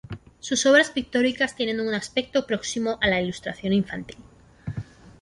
Sus obras pictóricas tienen un aspecto próximo a la ilustración infantil.